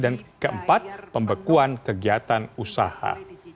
dan keempat pembekuan kegiatan usaha